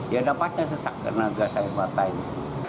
ya ada pacar sesak karena gas air mata ini